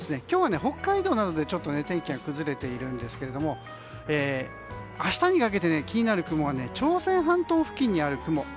今日は北海道などで、ちょっと天気が崩れているんですが明日にかけて気になる雲が朝鮮半島付近にある雲。